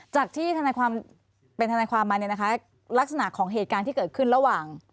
จากที่เป็นธนาคารความมั่นลักษณะของเหตุการณ์ที่เกิดขึ้นระหว่าง